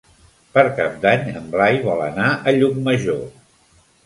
Per Cap d'Any en Blai vol anar a Llucmajor.